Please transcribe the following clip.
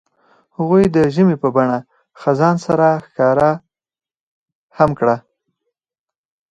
هغوی د ژمنې په بڼه خزان سره ښکاره هم کړه.